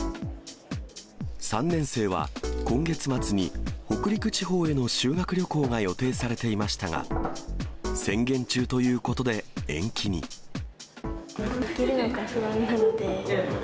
３年生は今月末に北陸地方への修学旅行が予定されていましたが、行けるのか不安なので、